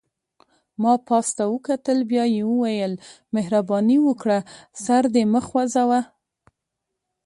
ما پاس ده ته وکتل، بیا یې وویل: مهرباني وکړه سر دې مه خوځوه.